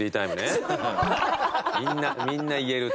そうみんな言える。